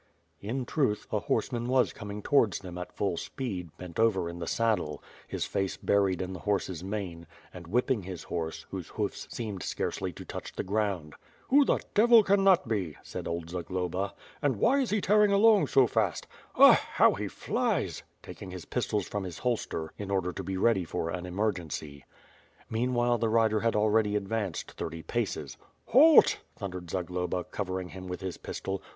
In truth, a horseman was coming towards them at full speed, bent over in the saddle; his face buried in the horse's mane, and whipping his horse, whose hoofs seemed scarcely to touch the ground. "Who the devil can that be?" said old Zagloba. "And why is he tearing along so fast. Eh! how he flies," taking his pistols from the holster in order to be ready for an emergency. Meanwhile the rider had already advanced thirty paces. "Halt!" thundered Zagloba, covering him with his pistol.